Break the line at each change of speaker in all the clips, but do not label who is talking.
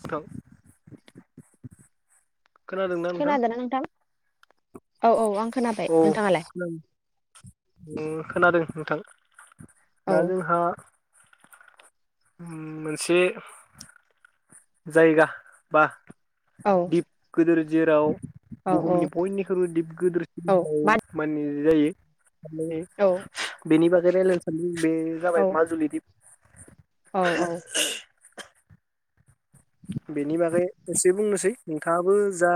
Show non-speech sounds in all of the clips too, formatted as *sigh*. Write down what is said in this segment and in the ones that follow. *unintelligible* खोनादोंना नोंथां
औ औ आं खोनाबाय नोंथाङालाय
फम खोनादों नोंथां
औ
दा जों हा उम मोनसे जायगा बा
औ
दिप गोदोर जेराव
औ औ
बुहुमनि बयनिख्रइबो दिप गोदोर
औ मा
*unintelligible* माने बि जायो
औ
बेनि बागै रायलायनो सानदोंनो बे
औ
जाबाय माजुलि
औ
दिप बेनि बागै एसे बुंनोसै नोंथाङाबो जा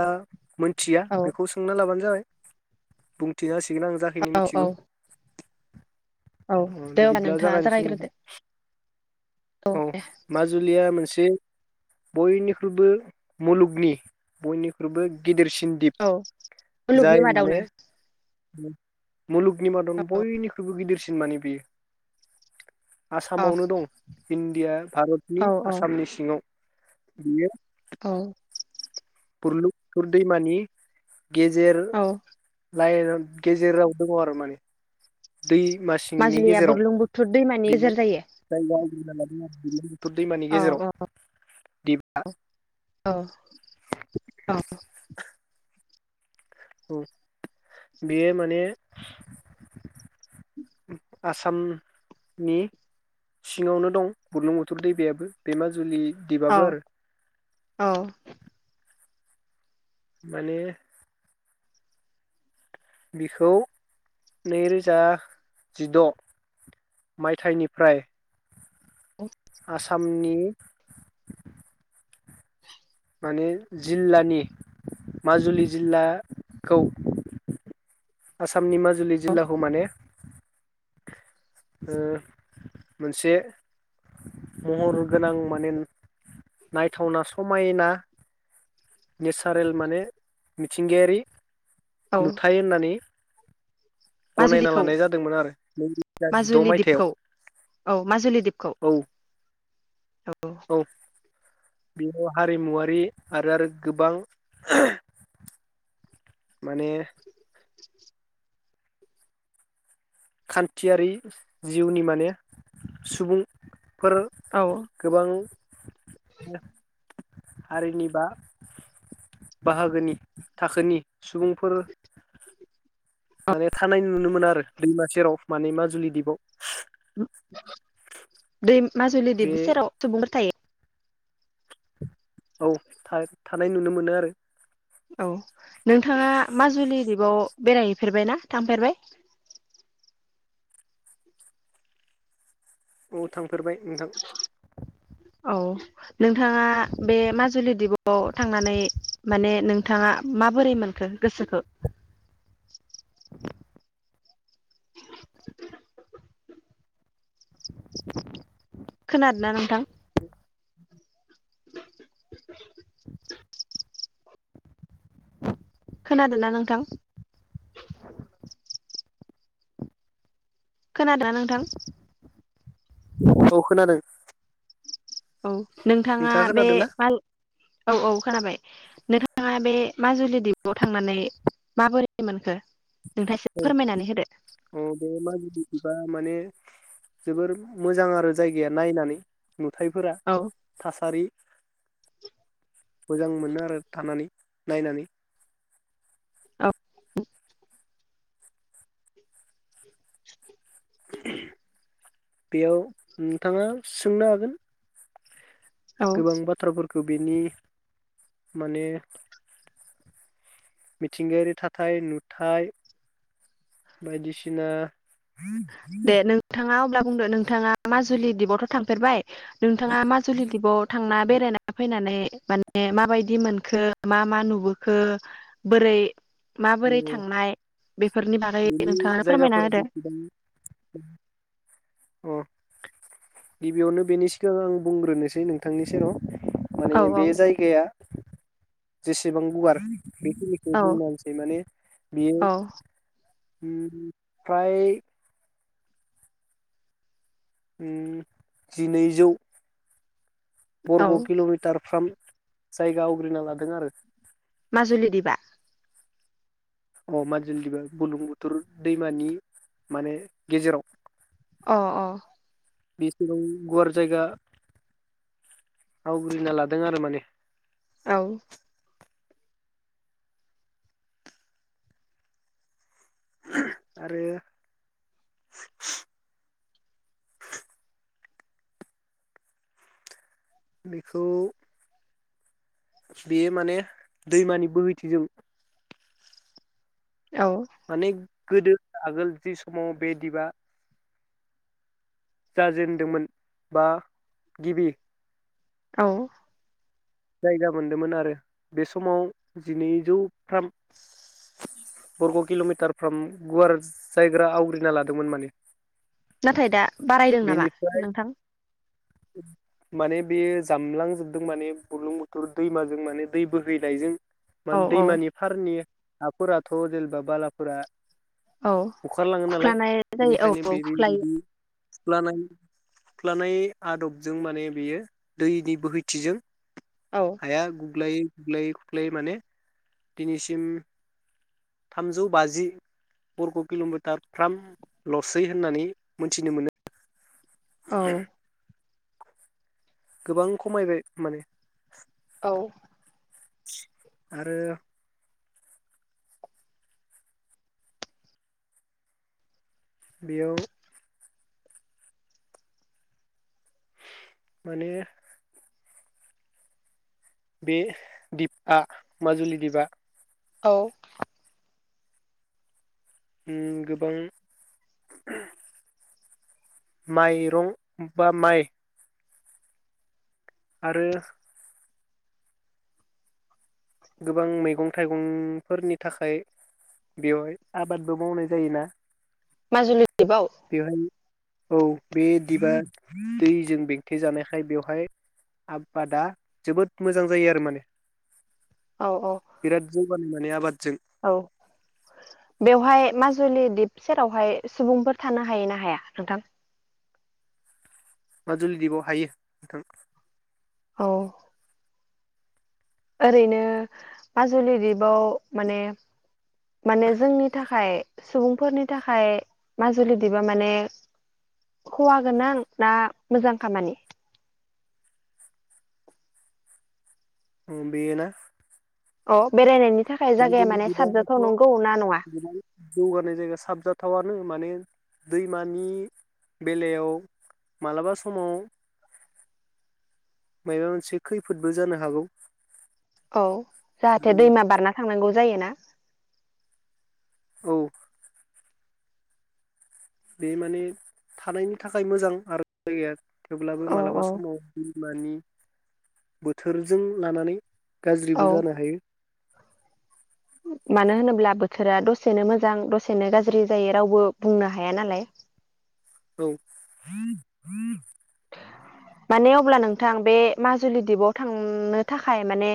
मोनथिया
औ
बेखौ सोंना लाबानो जाबाय बुंथिना *unintelligible* थिगोन आं जाखिनो
औ औ
मिथिगौ
औ दे हब्लाा
बिदिब्ला
नोंथाङा
जागायनोसै नोंथां
जागायग्रोदो
औ माजुलिया मोनसे बे बयनिख्रुइबो मुलुगनि बयनिख्रुइबो गिदिरसिन दिप
औ मुलुगनि
जाय माने
मादावनो
उम मुलुगनि मादावनो बनिख्रुइबो गिदिरसिन *inaudible* माने बेयो
औ
आसामावनो
अ
दं इण्डिया भारतनि
औ औ
आसामनि सिङाव बियो
औ
बुरलुंबुथुर दैमानि गेजेर
औ
लाइन गेजेराव दङ आरो माने दैमा सिंनि
माजुलिया
गेजेराव
बुरलुंबुथुर दैमानि गेजेर जायो?
*inaudible* टुर दैमानि
औ
गेजेराव
औ
दिबा
औ औ
औ बेयो माने आसामनि सिङावनो दं बुरलुंबथुर दैमायाबो बे माजुलि
औ
दिबाबो आरो
औ
माने बिखौ नैरोजा जिद मायथनिफ्राय आसामनि माने जिल्लानि माजुलि जिल्लाखौ आसाम आसामनि माजुलि जिल्लाखौ माने ओ मोनसे महर गोनां माने नायथावना समायना नेसारेल माने मिथिंगायारि
औ
नुथाय होननानै गनायना
माजुलिखौ
लानाय जादोंमोन आरो जिद'
माजुलि
मायथाइयाव
दिपखौ औ माजुलि दिपखौ।
औ
औ
बेयाव हारिमुवारि आरो गोबां माने खान्थियारि जिउनि माने सुबुं फोर
औ
गोबां हारिनि बा बाहागोनि थाखोनि सुबुंफोर माने थानाय नुनो मोनो आरो दैमा सेराव माने माजुलि दिपआव।
दै माजुलि
बे
दिपनि सेराव सुबुंफोर थायो।
औ थानाय नुनो मोनो आरो।
औ नोंथाङा माजुलि दिपबाव बेरायहैफेरबायना थांफेरबाय?
औ थांफेरबाय नोंथां।
औ नोंथाङा बे माजुलि दिपआव थांनानै माने नोंथाङा माबोरै मोनखो गोसोखौ? लांदां खोनादोंना नोंथां? लांदां खोनादोंना नोंथां? खोनादोना नोंथां
औ खोनादों।
औ नोंथाङा बे
खोनादों ना
औ औ खोनाबाय नोंथां नोंथाङा बे माजुलि दिपआव थांनानै माबोरै मोनखो? नोंथाङा एसे
औ
फोरमायनानै होदो
औ बे माजुलि दिबा माने जोबोर मोजां आरो जायगाया नायनानै नुथायफोरा
औ
थासारि मोजां मोनो आरो थानानै नायनानै
औ लांदां
बेयाव नोंथाङा सोंनो हागोन
औ
गोबां बाथ्राफोर खो बेनि माने मिथिंगायारि थाथाय नुथाय बायदिसिना
दे नोंथाङा अब्ला बुंदो नों नोंथाङा मा जुलि दिबावथ थां फेरबाय नोंथाङा माजुलि दिपाव थांना बेरायना फैनानै माने माबायदि मोनखो मा मा नुबोखो बोरै माबोरै थांनाय बेफोरनि बागै
बेनि
नोंथाङानो फोरमायना
जायगाफोरा
होदो।
बेसेबां अ गिबियावनो बेनि सिगां आं बुंग्रोनोसै नोंथांनि सेराव माने
औ
बे
औ
जायगाया जेसेबां गुवार बेखिनिखौ
औ
बुंनान माने बियो
औ
उम फ्राय उम जिनैजौ बरग'
औ
किल'मिटारफ्राम। जायगा आवग्रिना लादों आरो।
माजुलि दिबा?
अ माजुलि दिबा बुलुं बुथुर दैमानि माने गेजेराव।
अ अ।
बेसेबां गुवार जायगा आवग्रिना लादों आरो माने।
औ।
आरो बेखौ बेयो माने दैमानि बहैथिजों
औ।
माने गोदो आगोल जि समाव बे दिबआ जाजेेनदोंमोन बा गिबि
औ।
जायगा मोनदोंमोन आरो बे समाव जिनैजौ थाम बर्ग किल' मिटार फ्राम गुवार जायग्रा आवग्रिना लादोंमोन माने।
नाथाय दा बारायदों नामा
बेनिफ्राय
नोंथां?
माने बेयो जामलांजोबदों माने बुलुं बुथुर दैमाजों माने दै बोहैनायजों
औ
मान
औ
दैमानि फारनि हाफोराथ जेनेबा बालाफोरा
औ
बुखारलाङो नालाय
खुख्लानाय जायो औ औ खुख्लायो।
खुख्लानाय खुख्लानाय आदबजों माने बेयो दैनि बोहैथिजों
औ
हाया गुग्लाय खुख्लायै खुुब्लायै माने दिनैसिम थामजौ बाजि बरग' किल' मिटारफ्रामलसै होननानै मिथिनो मोनो।
औ।
गोबां खमायबाय माने।
औ।
आरो - बेयाव माने बे दिपआ माजुलि दिपआ
औ
उम गोबां माइरं बा माइ आरो गोबां मैगं थाइगंफोरनि थाखाय बेवहाय आबादबो मावनाय जायोना
माजुलि दिपआव?
बेवहाय औ बे दिबा दैजों बेंथे जानायखाय बेवहाय आबादा जोबोद मोजां जायो आरो माने।
औ औ
*unintelligible* माने आबाद
औ बेवहाय मा जुलि दिप सेरावहाय सुबुंफोर थानो हायो ना हाया नोंथां?
माजुलि दपआव हायो नोंथां।
औ ओरैनो माजुलि दीपाव माने माने जोंनि थाखाय सुबुंफोरनि थाखाय माजुलि दीपआ माने खहा गोनां ना मोजां खामानि?
अ बेयो ना?
अ बेरायनायनि थाखाय जायगाया
मान्थलि
माने
बिबाराथ'
साबजाथाव नंगौ ना नङा?
गोबां जौगानाय जायगा साबजाथावानो माने दैमानि बेलायाव मालाबा समाव मायबा मोनसे खैफोदबो जानो हागौ।
औ जाहाथे
आरो
दैमा बारना थांनांगौ जायो ना?
औ बे माने थानायनि थाखाय मोजां आरो दैया थेवब्लाबो
औ
मालाबा
औ
समाव दैमानि बोथोरजों लानानै
औ
गाज्रिबो जानो हायो
मानो होनोब्ला बोथोरा दसेनो मोजां दसेनो गाज्रि जायो रावबो बुंनो हाया नालाय।
औ
माने अब्ला नोंथां बे माजुलि दीपाव थांनो थाखाय माने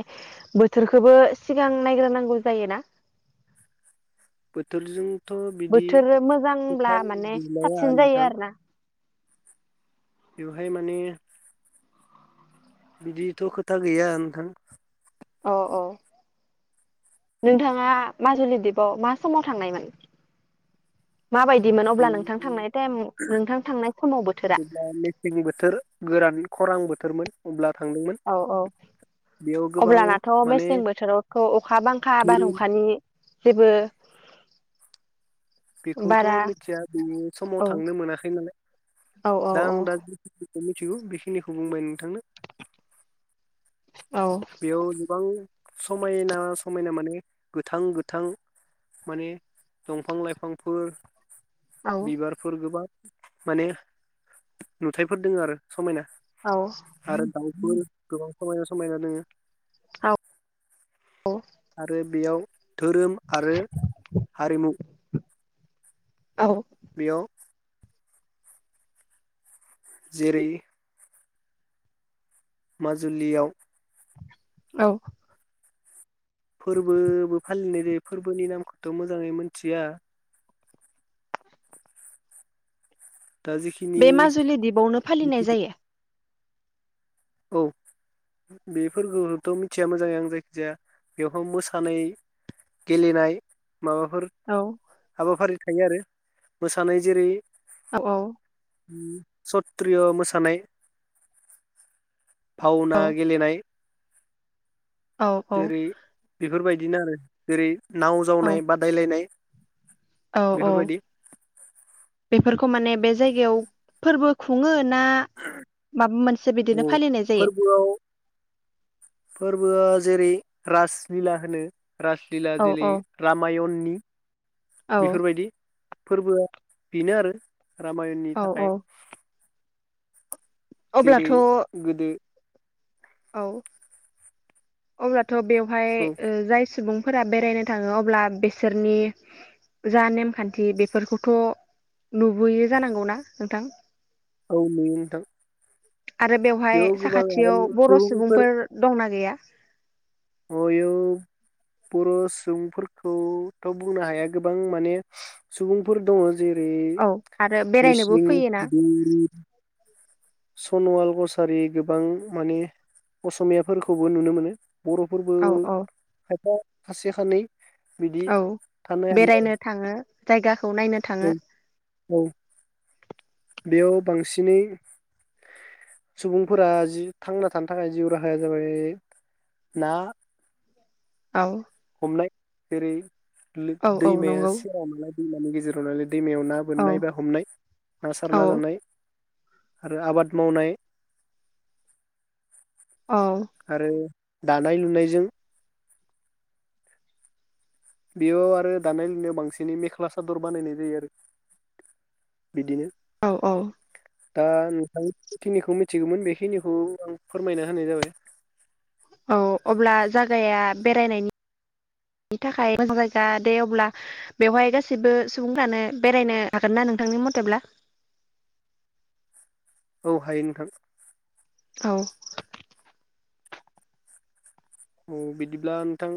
बोथोरखौबो सिगां नायग्रो नांगौ जायो ना?
बोथोरजोंथ' बिदि
मोजांब्ला
खोथा
माने
गैलाया
साबसिन जायो
नोंथां।
आरोना
बेवहाय माने बिदिथ' खोथा गैया नोंथां।
अ अ नोंथाङा माजुलिदीपआव मा समाव थांनायमोन? माबायदिमोन अब्ला नोंथां
जेब्ला
थांनाय टाइम नोंथां थांनाय समाव बोथोरा?
मेसें बोथोर गोरान खरां बोथोरमोन अब्ला थांदोंमोन
औ औ
बेयाव गोबां
अब्लानाथ'
माने
मेसें बोथोरावथ अखा बांखा
धोरोम
बारहुंखानि जेबो
बेखौथ'
बारा
मिथिया बे समाव
औ
थांनो मोनाखै नालाय
औ औ
दा
औ
आं दा मिथिगौ बेखिनिखौ बुंबाय नोंथांनो।
औ
बेयाव गोबां। समायना-समायना माने गोथां-गोथां माने दंफां लाइफां फोर। बिबारफोर गोबां। माने नुथायाइफोर दोङो आरो समायना।
औ।
दाउर गोबां समायना-समायना दोङो।
औ औ
आरो बेयाव धोरोम आरो हारिमु।
औ।
बेयाव। जेरै माजुलियाव
औ।
फोरबोबो फालिनाय जायो फोरबोनि नामखौथ मोजाङै मिथिया। दा जिखिनि
बे माजुलि दीपावनो फालिनाय जायो।
औ बेफोरखौथ मिथिया मोजाङै आं जायखिजाया बेवहाय मोसानाय गेलेनाय। माबाफोर
औ
हाबाफारि। थायो आरो मोसानाय जेरै-
औ औ
सत्रि मोसानाय।
औ
भावना गेलेनाय।
औ औ
जेरै बेफोरबायदि। बिदिनो आरो जेरै नाव
औ
जावनाय बादायलायनाय।
औ औ
बेफोरबायदि
बेफोरखौ माने बे जायगायाव फोरबो खुङो ना माबा मोनस
औ फोरबोआव फोरबोआ। जेरै राजलिला होनो राजलिला
औ
जेरै
औ
रामायणनि।
औ
बेफोरबायदि फोरबोआ। बिनो आरो। रामायननि
औ
थाखाय।
औ
जेरै
अब्लाथ'
गोदो।
औ अब्ला थ' बेवहाय
औ
ओ जाय सुबुं फोरा बेरायनो थाङो अब्ला बिसोरनि जा नेमखान्थि बेफोरखौथ' नुबोयो जानांगौना नोंथां?
औ नुयो नोंथां।
आरो बेवहाय
बेयाव गोबां आरो
साखाथियाव बर' सुबुंफोर दंना गैया?
*unintelligible* बर' सुबुंफोरखौथ' बुंनो हाया गोबां माने सुबुंफोर दङ जेरै
औ आरो बेरायनोबो
मिसिं
फैयोना
देवरि सनवाल कसारि गोबां माने असमियाफोरखौबो नुनो मोनो। बर'फोरबो
औ औ
खायफा खासे खानै बिदि
औ
थानो
बेरायनो थाङो जायगा खौ नायनो थाङो।
हायो औ औ बेयाव बांसिनै सुबुंफोरा जि थांना थानो थाखाय जिउ राहाया जाबाय ना
औ
हमनाय जेरै लै
औ औ
दैमाया
नंगौ
सेराव नालाय दैमानि गेजेराव नालाय दैमायाव ना
औ
बोननाय बा हमनाय ना सारना जानाय। आरो आबाद मावनाय।
औ
आरो दानाय लुनायजों बेयाव आरो दानाय लुनायाव बांसिनै मेख्ला सादर बानायनाय जायो आरो बिदिनो
औ औ
दा नोंथांनि जिखिनिखौ मिथिगौमोन बेखिनिखौ आं फोरमायना होनाय जाबाय।
औ अब्ला जागाया बेरायनायनि *inaudible* थाखाय मोजां जायगा दे अब्ला बेवहाय गासैबो सुबुंफ्रानो बेरायनो हागोन ना नोंथांनि मथेब्ला?
औ हायो नोंथां।
औ।
औ बिदिब्ला नोंथां?